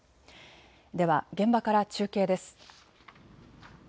では現場から中継です。